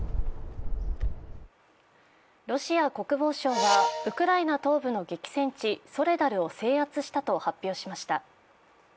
ロシア国防省はウクライナ東部の激戦地・ソレダルを制圧したと発表しました。